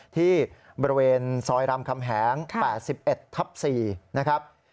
ที่บริเวณซอยรามคำแหง๘๑ทับ๔นะครับ